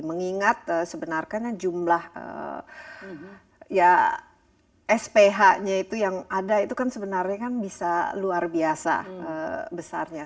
mengingat sebenarnya jumlah ya sph nya itu yang ada itu kan sebenarnya kan bisa luar biasa besarnya